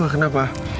aku siap lah